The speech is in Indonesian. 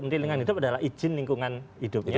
menteri lingkungan hidup adalah izin lingkungan hidupnya